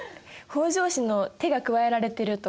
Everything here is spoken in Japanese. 北条氏の手が加えられてると。